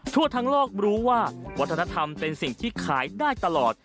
ทั่วทั้งโลกรู้ว่าวัฒนธรรมเป็นสิ่งที่ขายได้ตลอด